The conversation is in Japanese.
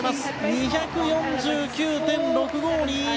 ２４９．６５２１。